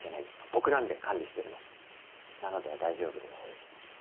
僕なんで管理してるのなので大丈夫です